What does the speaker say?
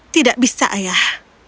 tidak bisa ayah